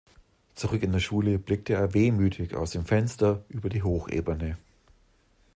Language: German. Zurück in der Schule blickt er wehmütig aus dem Fenster über die Hochebene.